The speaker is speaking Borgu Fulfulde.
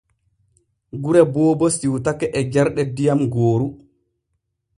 Gure Boobo siwtake e jarɗe diyam gooru.